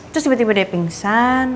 terus tiba tiba dia pingsan